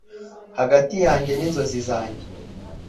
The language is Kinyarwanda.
hagati yanjye n'inzozi zanjye.